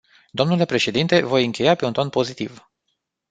Domnule președinte, voi încheia pe un ton pozitiv.